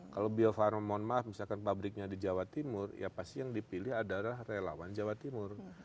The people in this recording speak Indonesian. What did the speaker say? kalau bio farma mohon maaf misalkan pabriknya di jawa timur ya pasti yang dipilih adalah relawan jawa timur